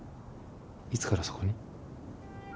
いつからそこに？